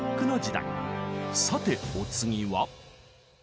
さてお次は？